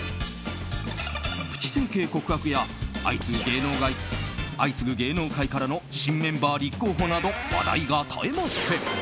プチ整形告白や相次ぐ芸能界からの新メンバー立候補など話題が絶えません。